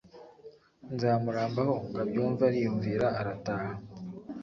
nzamurambaho ngo abyumve ariyumvira, arataha